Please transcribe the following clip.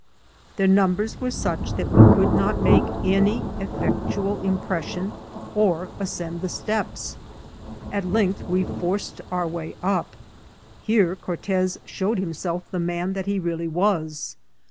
" Their numbers were such that we could not make any effectual impression or ascend the steps. At length we forced our way up. Here Cortez showed himself the man that he really was.